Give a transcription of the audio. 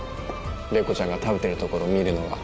麗子ちゃんが食べてるところ見るのが